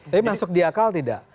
tapi masuk di akal tidak